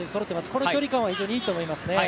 この距離感は非常にいいと思いますね。